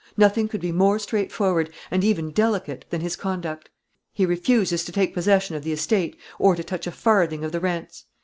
Nothing could be more straightforward, and even delicate, than his conduct. He refuses to take possession of the estate, or to touch a farthing of the rents.